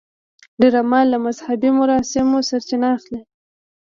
ډرامه له مذهبي مراسمو سرچینه اخلي